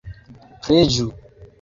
Preĝu!